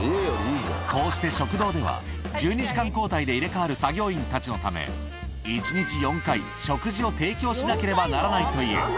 こうして食堂では、１２時間交代で入れ代わる作業員たちのため、１日４回、食事を提供しなければならないという。